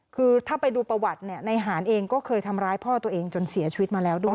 คือถ้าไปดูประวัติเนี่ยในหารเองก็เคยทำร้ายพ่อตัวเองจนเสียชีวิตมาแล้วด้วย